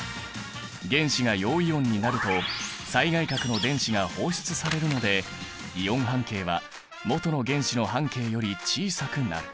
原子が陽イオンになると最外殻の電子が放出されるのでイオン半径はもとの原子の半径より小さくなる。